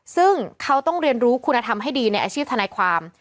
ซึ่งเขาต้องเรียนรู้คุณธรรมให้ดีในอาชีพทนายความ